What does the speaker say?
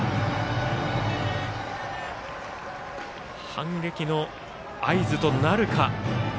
反撃の合図となるか。